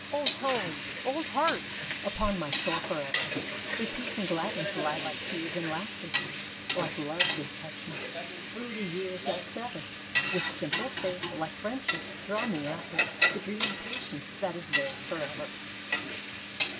Old homes! Old hearts! Upon my soul forever Their peace and gladness lie like tears and laughter; Like love they touch me, through the years that sever, With simple faith; like friendship, draw me after The dreamy patience that is theirs forever.